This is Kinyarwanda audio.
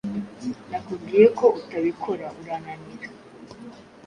Nakubwiye ko utabikora urananira